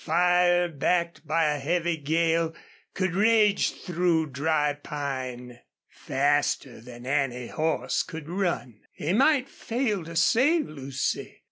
Fire backed by a heavy gale could rage through dry pine faster than any horse could run. He might fail to save Lucy.